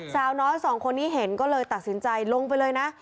สาวน้อยสองคนนี้เห็นก็เลยตัดสินใจลงไปเลยนะ